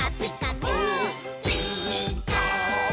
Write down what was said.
「ピーカーブ！」